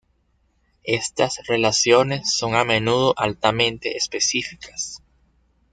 Estas relaciones son a menudo altamente específicas.